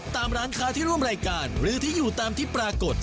ตามร้านค้าที่ร่วมรายการหรือที่อยู่ตามที่ปรากฏ